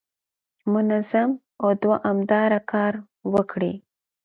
منظم او دوامداره کار وکړئ.